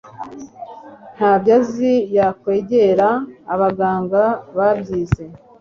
ntabyo azi yakwegera abaganga babyize